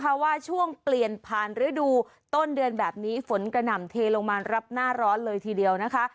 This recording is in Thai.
เพราะว่าช่วงเปลี่ยนผ่านฤดูต้นเดือนแบบนี้ฝนกระหน่ำเทลงมารับหน้าร้อนเลยทีเดียวนะคะ